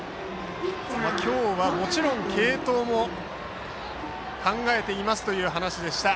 今日は、もちろん継投も考えていますという話でした。